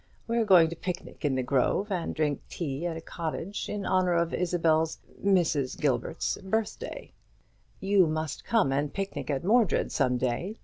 We're going to picnic in the grove, and drink tea at a cottage in honour of Isabel's Mrs. Gilbert's birthday." "You must come and picnic at Mordred some day.